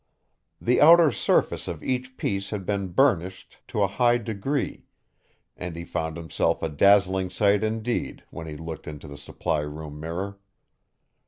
The outer surface of each piece had been burnished to a high degree, and he found himself a dazzling sight indeed when he looked into the supply room mirror.